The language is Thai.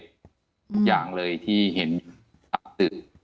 ทุกอย่างเลยที่เห็นอักดึก